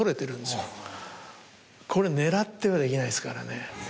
これ狙ってはできないですからね。